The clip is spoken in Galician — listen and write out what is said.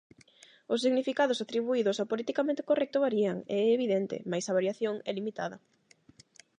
Os significados atribuídos ao "politicamente correcto" varían, é evidente, mais a variación é limitada.